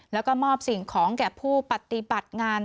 แล้วก็มอบสิ่งของแก่ผู้ปฏิบัติงาน